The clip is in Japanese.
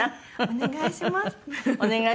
お願いします。